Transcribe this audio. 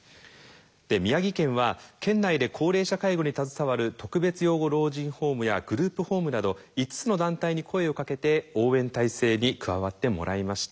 宮城県は県内で高齢者介護に携わる特別養護老人ホームやグループホームなど５つの団体に声をかけて応援体制に加わってもらいました。